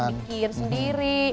kalau kita bisa bikin sendiri